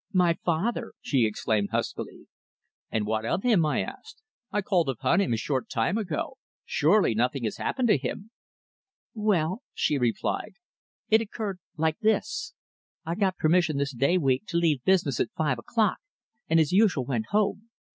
"My father!" she exclaimed huskily. "And what of him?" I asked. "I called upon him a short time ago. Surely nothing has happened to him?" "Well," she replied, "it occurred like this. I got permission this day week to leave business at five o'clock, and, as usual, went home.